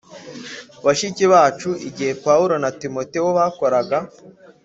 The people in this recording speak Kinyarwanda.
bashiki bacu Igihe Pawulo na Timoteyo bakoreraga